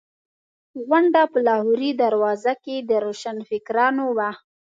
غونډه په لاهوري دروازه کې د روشنفکرانو وه.